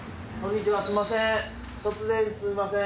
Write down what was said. すいません。